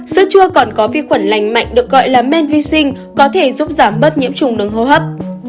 sữa chua còn có vi khuẩn lành mạnh được gọi là menvisin có thể giúp giảm bớt nhiễm trùng đường hô hấp